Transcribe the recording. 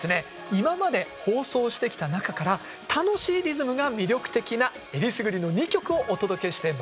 今まで放送してきた中から楽しいリズムが魅力的なえりすぐりの２曲をお届けしてまいります。